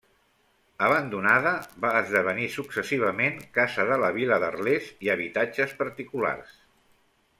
Abandonada, va esdevenir successivament Casa de la Vila d'Arles i habitatges particulars.